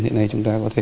hiện nay chúng ta có thể